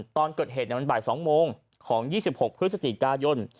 ตอนเกิดเหตุมันบ่าย๒โมงของ๒๖พฤศจิกายน